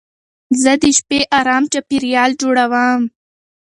زه د شپې ارام چاپېریال جوړوم.